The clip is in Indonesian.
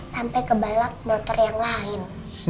sampai berbalap motor yang lain